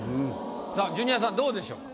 さぁジュニアさんどうでしょうか？